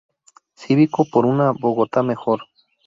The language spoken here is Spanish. Cívico-Por una Bogotá mejor.